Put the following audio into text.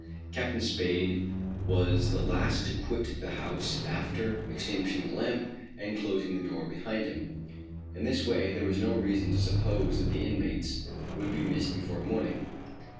Captain Spade was the last to quit the house after extinguishing the lamp and closing the door behind him. In this way there was no reason to suppose that the inmates would be missed before morning.